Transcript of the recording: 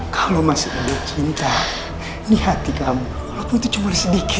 kalau masih ada cinta ini hati kamu aku itu cuma sedikit